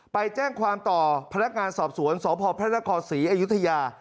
ไปแจ้งความต่อพลักงานสอบสวนสพศศรีอายุทยา